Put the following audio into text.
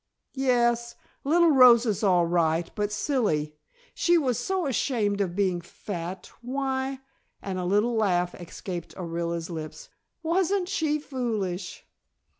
"Yes, little Rosa's all right, but silly. She was so ashamed of being fat why " and a little laugh escaped Orilla's lips. "Wasn't she foolish?"